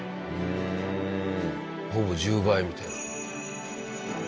ほぼ１０倍みたいな。